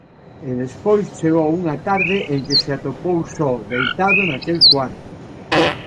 E despois chegou unha tarde en que se atopou só, deitado naquel cuarto.